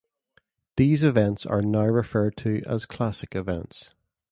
These events are now referred to as "Classic" events.